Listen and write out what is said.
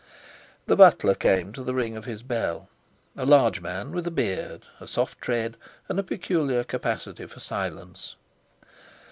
The butler came to the ring of his bell—a large man with a beard, a soft tread, and a peculiar capacity for silence.